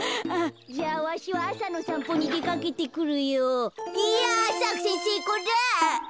じゃあわしはあさのさんぽにでかけてくるよ。やさくせんせいこうだ！